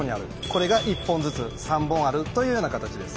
これが１本ずつ３本あるというような形です。